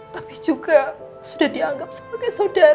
tapi juga sudah dianggap sebagai saudara